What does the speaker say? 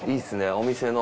お店の。